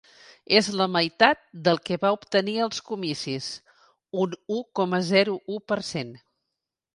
És la meitat del que va obtenir als comicis, un u coma zero u per cent.